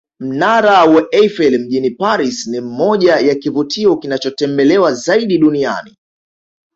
Mnara wa Eifel mjini Paris ni mmoja ya kivutio kinachotembelewa zaidi duniani